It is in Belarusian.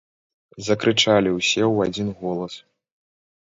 - закрычалi ўсе ў адзiн голас.